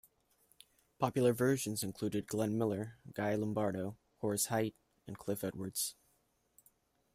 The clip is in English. Popular versions included Glenn Miller, Guy Lombardo, Horace Heidt and Cliff Edwards.